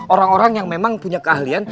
orang orang yang memang punya keahlian